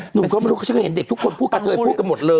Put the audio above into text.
หนูก็ไม่รู้จึงก็เห็นเด็กทุกคนพูดกันเถอะพูดกันหมดเลย